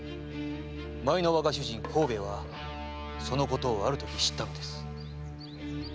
前の若主人・幸兵衛はそのことをあるとき知ったのです。